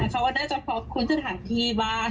เขาน่าจะพบคุณสถานทีบ้าง